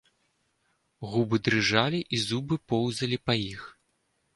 Губы дрыжалі і зубы поўзалі па іх.